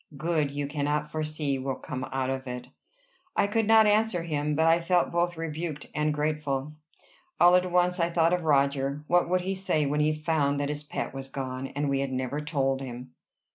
Good you cannot foresee will come out of it." I could not answer him, but I felt both rebuked and grateful. All at once I thought of Roger. What would he say when he found that his pet was gone, and we had never told him?